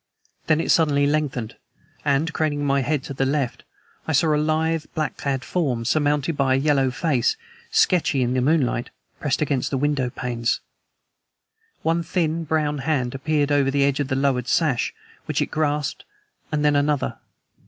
Then it suddenly lengthened, and, craning my head to the left, I saw a lithe, black clad form, surmounted by a Yellow face, sketchy in the moonlight, pressed against the window panes! One thin, brown hand appeared over the edge of the lowered sash, which it grasped and then another.